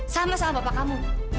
sama sama bapak kamu